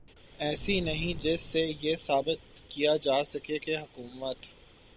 ایسی نہیں جس سے یہ ثابت کیا جا سکے کہ حکومت